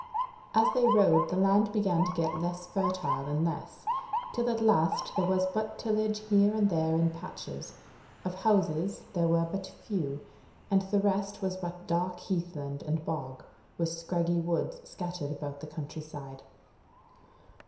As they rode, the land began to get less fertile and less, till at last there was but tillage here and there in patches: of houses there were but few, and the rest was but dark heathland and bog, with scraggy woods scattered about the country side.